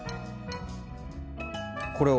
これを。